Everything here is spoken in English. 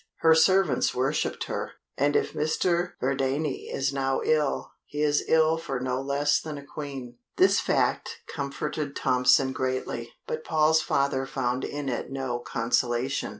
"Her servants worshipped her and if Mr. Verdayne is ill now, he is ill for no less than a Queen." This fact comforted Tompson greatly, but Paul's father found in it no consolation.